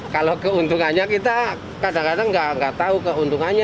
kalau keuntungannya kita kadang kadang nggak tahu keuntungannya